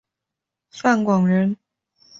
范广人。